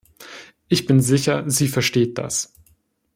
Ich bin sicher, sie versteht das.